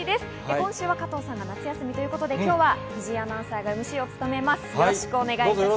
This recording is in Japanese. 今週は加藤さん夏休みということで今日は藤井アナウンサーがＭＣを務めます。